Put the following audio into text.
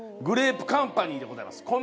グレープカンパニーでございます。